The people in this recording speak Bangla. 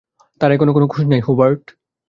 তার এখনো কোন খোঁজ নাই, হুবার্ট।